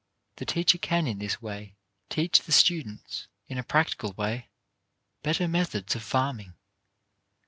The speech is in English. The teacher can in this way teach the students, in a practical way, better methods of farming.